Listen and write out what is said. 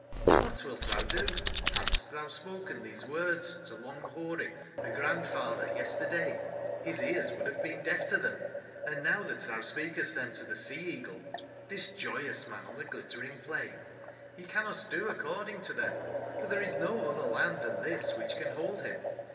CKbat wilt tbou do ? Hadst tbou spoken tbese words to Long/boary, tbe Gran dfatber, yesterday, bis ears would bave been deaf to tbem; and now tbat tbou speakest tbem to tbe Sea/eagle, tbis joyous man on tbe 6litteringpiain, becannotdo according to tbem, for tbere is no otber land tban tbis wbicb can bold bim.